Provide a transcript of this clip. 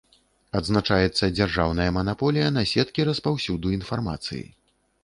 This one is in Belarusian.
Адзначаецца дзяржаўная манаполія на сеткі распаўсюду інфармацыі.